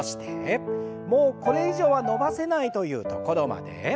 もうこれ以上は伸ばせないというところまで。